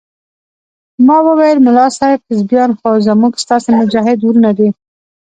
ما وويل ملا صاحب حزبيان خو زموږ ستاسې مجاهد ورونه دي.